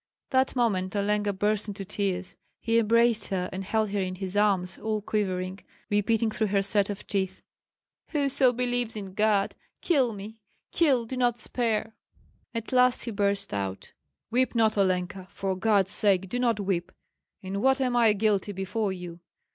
That moment Olenka burst into tears; he embraced her and held her in his arms, all quivering, repeating through her set teeth, "Whoso believes in God, kill me! kill, do not spare!" At last he burst out: "Weep not, Olenka; for God's sake, do not weep! In what am I guilty before you?